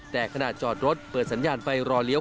แต่ขณะจอดรถเปิดสัญญาณไฟรอเลี้ยว